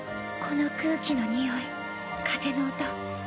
この空気の匂い風の音